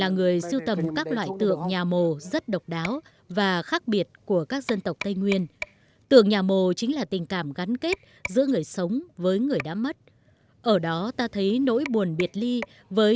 người ta nói là một người hai người thôi